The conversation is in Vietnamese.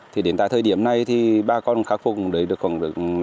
thì đến tại thời điểm này thì ba con khắc phục được khoảng năm mươi